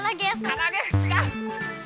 からあげ？ちがう。